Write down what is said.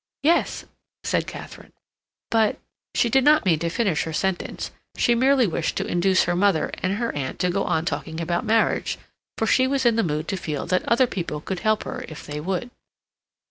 "Yes," said Katharine, "but—" She did not mean to finish her sentence, she merely wished to induce her mother and her aunt to go on talking about marriage, for she was in the mood to feel that other people could help her if they would.